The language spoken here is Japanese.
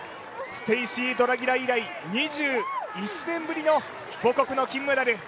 ステーシー・ドラギラ以来、２１年ぶりの母国の金メダル。